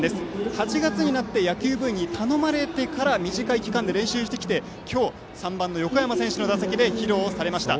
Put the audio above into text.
８月になって野球部員に頼まれてから短い期間で練習してきて今日、３番の横山選手の打席で披露されました。